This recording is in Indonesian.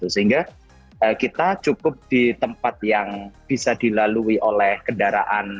sehingga kita cukup di tempat yang bisa dilalui oleh kendaraan